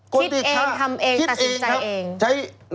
คิดเองทำเองตัดสินใจเอง